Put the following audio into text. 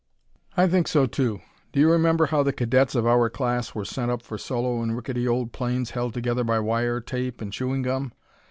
"I think so, too. Do you remember how the Cadets of our class were sent up for solo in rickety old planes held together by wire, tape and chewing gum?